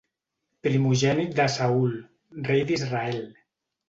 Primogènit de Saül, rei d'Israel.